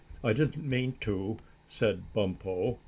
I didn't mean to," said Bumpo.